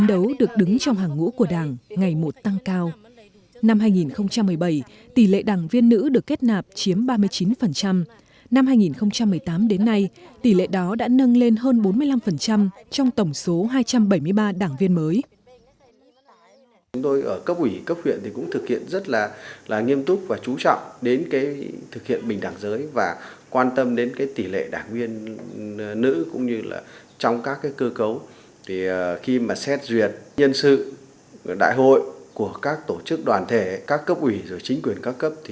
tổ chức đảng viên nữ được kết nạp chiếm ba mươi chín năm hai nghìn một mươi tám đến nay tỷ lệ đó đã nâng lên hơn bốn mươi năm trong tổng số hai trăm bảy mươi ba đảng viên mới